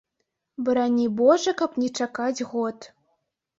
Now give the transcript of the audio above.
Барані божа, каб не чакаць год.